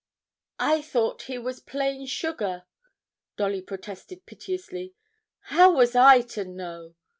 'I thought he was plain sugar,' Dolly protested piteously; 'how was I to know?